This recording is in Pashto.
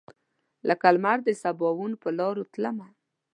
لکه لمر دسباوون پر لاروتلمه